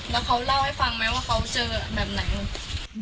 แล้วเขาเล่าให้ฟังไหมว่าเขาเจอแบบไหน